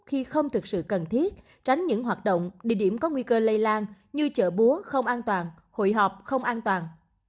khi không thực sự cần thiết tránh những hoạt động địa điểm có nguy cơ lây lan như chợ búa không an toàn hội họp không an toàn